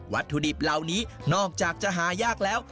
วัตถุดิบเหล่านี้นอกจากจะหายากแล้ว